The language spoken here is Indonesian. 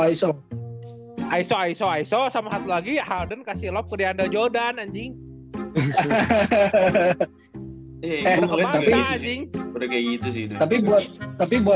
iso iso iso iso sama satu lagi harden kasih lob ke deandre jordan anjing